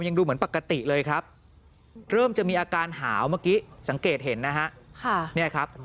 ดูเหมือนปกติเลยครับเริ่มจะมีอาการหาวเมื่อกี้สังเกตเห็นนะฮะ